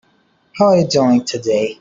How are you doing today?